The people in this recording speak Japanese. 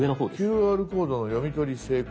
「ＱＲコードの読み取り成功」。